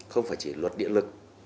không phải chỉ luật địa lực